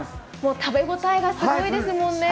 食べ応えがすごいですもんね。